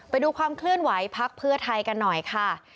ไปดูความเคลื่อนไหวพักเพื่อไทยกันหน่อยค่ะ